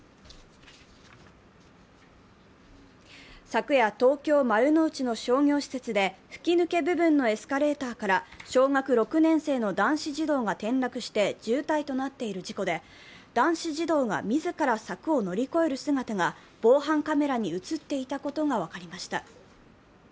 昨夜、東京・丸の内の商業施設で、吹き抜け部分のエスカレーターから小学６年生の男子児童が転落して重体となっている事故で男子児童が自ら柵を乗り越える姿が防犯カメラに映っていたことが分かりました。